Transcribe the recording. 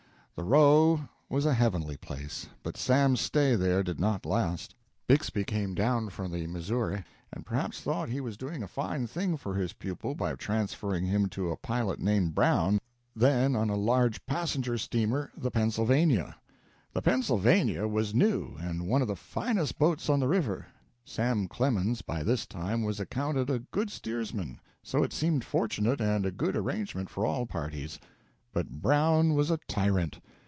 The "Roe" was a heavenly place, but Sam's stay there did not last. Bixby came down from the Missouri, and perhaps thought he was doing a fine thing for his pupil by transferring him to a pilot named Brown, then on a large passenger steamer, the "Pennsylvania." The "Pennsylvania" was new and one of the finest boats on the river. Sam Clemens, by this time, was accounted a good steersman, so it seemed fortunate and a good arrangement for all parties. But Brown was a tyrant.